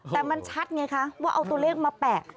แต่มันชัดไงคะว่าเอาตัวเลขมาแปะ